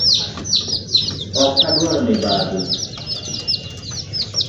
Ok adwar mibadhi.